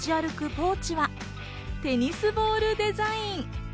ポーチは、テニスボールデザイン。